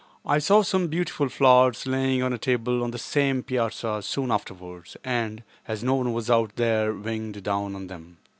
I saw some beautiful flowers lying on a table on the same piazza soon afterwards and, as no one was out there, winged down on them.